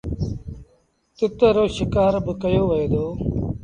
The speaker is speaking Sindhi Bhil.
تتر رو شڪآر با ڪيو وهي دو۔